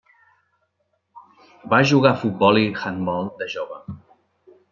Va jugar a futbol i handbol de jove.